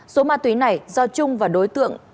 số ma túy này do trung và đối tượng